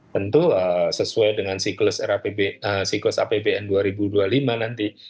tentu sesuai dengan siklus siklus apbn dua ribu dua puluh lima nanti